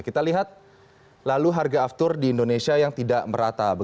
kita lihat lalu harga aftur di indonesia yang tidak merata